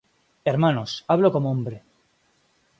Hermanos, hablo como hombre: